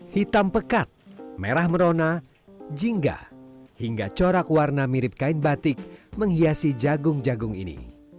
hitam pekat merah merona jingga hingga corak warna mirip kain batik menghiasi jagung jagung ini